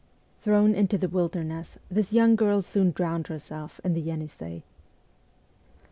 Thrown into the wilderness, this young girl soon drowned herself in the Yenisei.